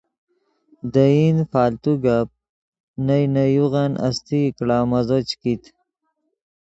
دے ایند فالتو گپ نئے نے یوغن استئی کڑا مزو چے کیت